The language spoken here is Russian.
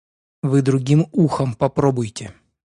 Вы другим ухом попробуйте.